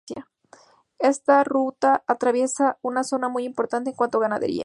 Esta ruta atraviesa una zona muy importante en cuanto a ganadería.